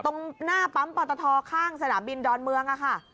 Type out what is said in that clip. ตรงหน้าปั๊มปอตทข้างสนามบินดอนเมืองค่ะ